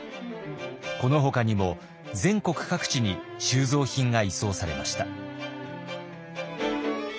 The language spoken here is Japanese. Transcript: このほかにも全国各地に収蔵品が移送されました。